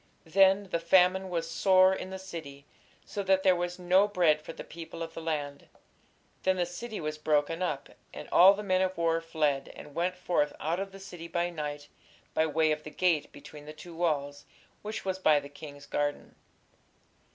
Then "the famine was sore in the city, so that there was no bread for the people of the land. Then the city was broken up, and all the men of war fled, and went forth out of the city by night by way of the gate between the two walls, which was by the king's garden."